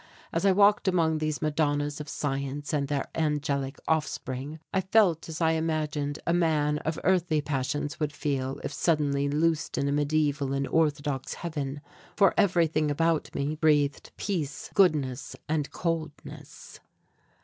As I walked among these madonnas of science and their angelic offspring, I felt as I imagined a man of earthly passions would feel if suddenly loosed in a mediaeval and orthodox heaven; for everything about me breathed peace, goodness, and coldness.